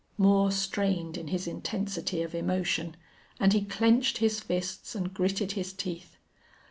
Moore strained in his intensity of emotion, and he clenched his fists and gritted his teeth.